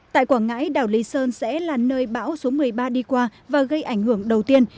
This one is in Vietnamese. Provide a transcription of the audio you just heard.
tại quảng ngãi đảo lý sơn sẽ là nơi bão số một mươi ba đi qua và gây ảnh hưởng đầu tiên